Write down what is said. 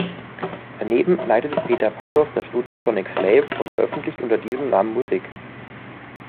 Daneben leitet Peter Pathos das Studio "Sonic Slave" und veröffentlicht unter diesem Namen Musik.